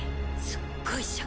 すっごい癪。